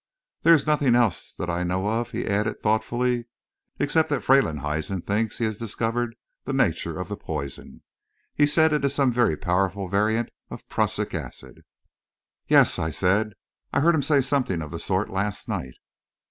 There is nothing else that I know of," he added thoughtfully, "except that Freylinghuisen thinks he has discovered the nature of the poison. He says it is some very powerful variant of prussic acid." "Yes," I said, "I heard him say something of the sort last night."